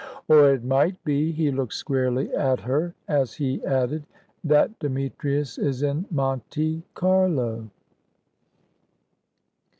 Or it might be" he looked squarely at her, as he added, "that Demetrius is in Monte Carlo."